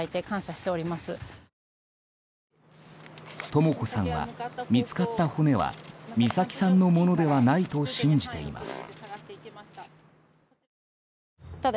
とも子さんは、見つかった骨は美咲さんのものではないと信じています。